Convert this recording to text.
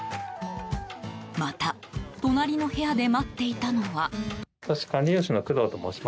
また隣の部屋で待っていたのは。